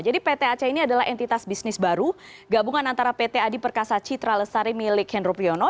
jadi pt aceh ini adalah entitas bisnis baru gabungan antara pt adi perkasa citra lesari milik hendro priyono